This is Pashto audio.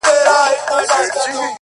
ځي له وطنه خو په هر قدم و شاته ګوري!!